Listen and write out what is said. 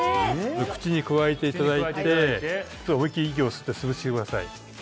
口にくわえていただいて思いっきり息を吸って潰してください